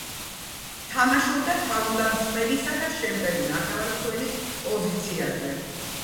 თამაშობდა თავდამსხმელისა და შემტევი ნახევარმცველის პოზიციაზე.